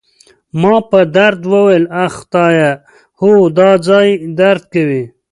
ما په درد وویل: اخ، خدایه، هو، دا ځای درد کوي.